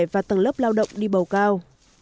và tầng lớp lao động đi bầu cao